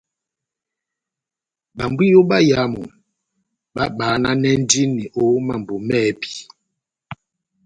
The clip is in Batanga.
Bambwiyo báyámu babahananɛndini ó mambo mɛ́hɛpi.